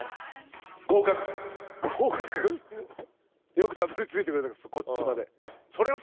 よくたどりついてくれたこっちまで。